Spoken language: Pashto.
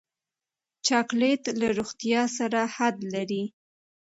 چاکلېټ له روغتیا سره حد لري.